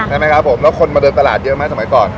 ใช่ไหมครับผมแล้วคนมาเดินตลาดเยอะไหมสมัยก่อน